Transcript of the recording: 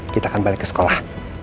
kita akan balik ke sekolah